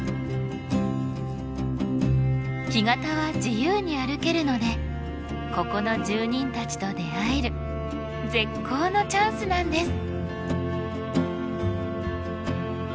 干潟は自由に歩けるのでここの住人たちと出会える絶好のチャンスなんです。